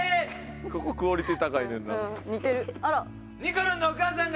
ここクオリティー高いねんな。